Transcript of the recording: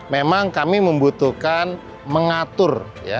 memang kami membutuhkan mengatur